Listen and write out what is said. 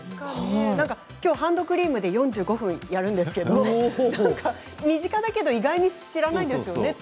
ハンドクリームで４５分やるんですけれど身近だけど意外と知らないですよね。